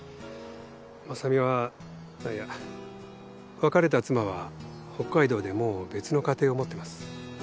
真佐美はいや別れた妻は北海道でもう別の家庭を持ってます。